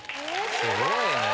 すごいね。